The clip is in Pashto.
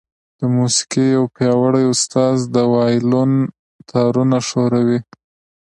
د موسيقۍ يو پياوړی استاد د وايلون تارونه ښوروي.